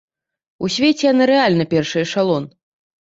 У свеце яны рэальна першы эшалон!